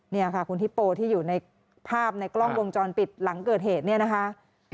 นี่ค่ะคุณฮิปโปที่อยู่ในภาพในกล้องวงจรปิดหลังเกิดเหตุเนี่ยนะคะ